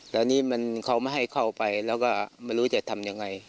แล้วนี่มันเขาไม่ให้เข้าไปแล้วก็ไม่รู้จะทำยังไง